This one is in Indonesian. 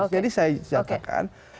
jadi saya catakan